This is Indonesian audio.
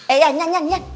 eh nyan nyan nyan